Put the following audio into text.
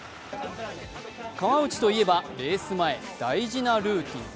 川内といえば、レース前、大事なルーティン。